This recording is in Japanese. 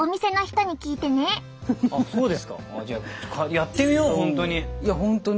じゃあやってみよう本当に。